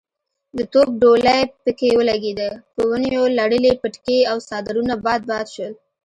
د توپ ډولۍ پکې ولګېده، په ونيو لړلي پټکي او څادرونه باد باد شول.